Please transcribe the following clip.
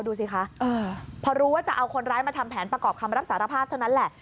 ดูสิคะพอรู้ว่าจะเอาคนร้ายมาทำแผนประกอบคำรับสารภาพเท่านั้นแหละ